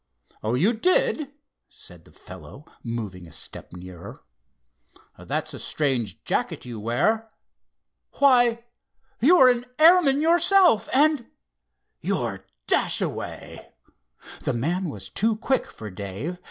"Oh, you did?" said the fellow, moving a step nearer. "That's a strange jacket you wear. Why, you're an airman yourself and—you're Dashaway!" The man was too quick for Dave.